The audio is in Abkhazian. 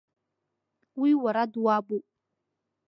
Уи уара дуабуп.